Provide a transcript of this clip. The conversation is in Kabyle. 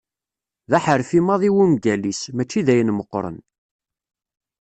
D aḥerfi maḍi wungal-is, mačči d ayen meqqren.